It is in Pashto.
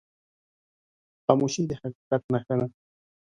خاموشي، د حقیقت نښه ده.